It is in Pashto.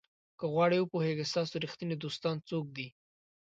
که غواړئ وپوهیږئ ستاسو ریښتیني دوستان څوک دي.